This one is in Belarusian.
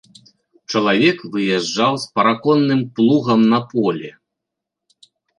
Чалавек выязджаў з параконным плугам на поле.